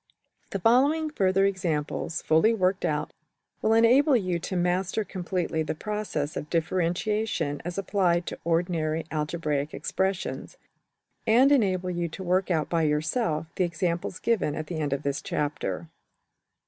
} The following further examples, fully worked out, will enable you to master completely the process of differentiation as applied to ordinary algebraical expressions, and enable you to work out by yourself the examples given at the end of this chapter.